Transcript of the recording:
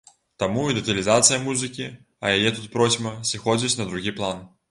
Таму і дэталізацыя музыкі, а яе тут процьма, сыходзіць на другі план.